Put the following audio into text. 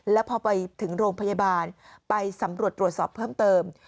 แล้วพอไปถึงโรงพยาบาลไปสำรวจตรวจสอบเพิ่มเติม